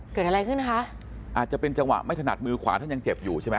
เกิดอะไรขึ้นนะคะอาจจะเป็นจังหวะไม่ถนัดมือขวาท่านยังเจ็บอยู่ใช่ไหม